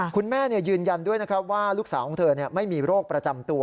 คุณแม่ยืนยันด้วยว่าลูกสาวของเธอไม่มีโรคประจำตัว